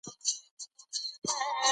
د صنعتګرو ملاتړ وکړئ.